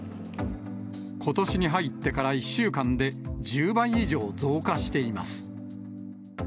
ことしに入ってから１週間で１０倍以上増加しています。